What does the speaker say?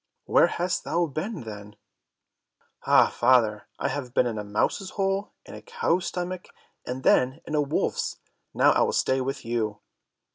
"Where hast thou been, then?" "Ah, father, I have been in a mouse's hole, in a cow's stomach, and then in a wolf's; now I will stay with you."